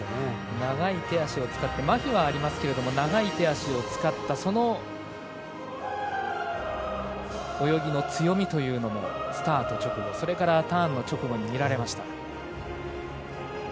長い手足を使ってまひはありますけれども長い手足を使ったその泳ぎの強みというのもスタート直後、それからターンの直後に見られました。